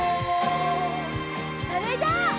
それじゃあ。